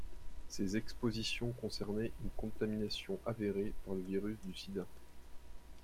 Ces expositions concernaient une contamination avérée par le virus du sida.